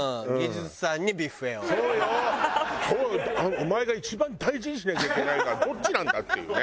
お前が一番大事にしなきゃいけないのはどっちなんだっていうね。